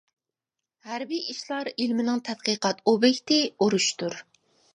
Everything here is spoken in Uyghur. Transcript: ھەربىي ئىشلار ئىلمىنىڭ تەتقىقات ئوبيېكتى ئۇرۇشتۇر.